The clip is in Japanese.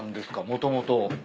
もともと。